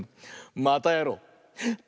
またやろう！